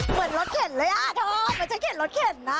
เหมือนรถเข็นเลยอ่ะเธอไม่ใช่เข็นรถเข็นนะ